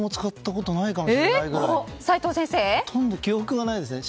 ほとんど記憶がないですね。